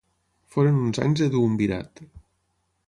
Foren uns anys de duumvirat.